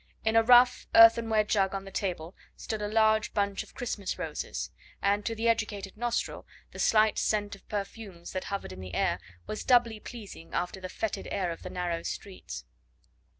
In a rough earthenware jug on the table stood a large bunch of Christmas roses, and to the educated nostril the slight scent of perfumes that hovered in the air was doubly pleasing after the fetid air of the narrow streets.